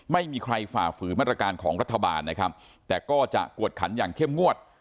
ไม่มีใครฝ่าฝืนมาตรการของรัฐบาลนะครับแต่ก็จะกวดขันอย่างเข้มงวด